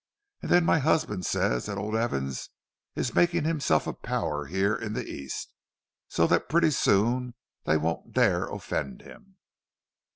And then my husband says that old Evans is making himself a power here in the East; so that pretty soon they won't dare offend him."